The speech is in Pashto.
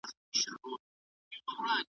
نه یم په مالت کي اشیانې راپسي مه ګوره ,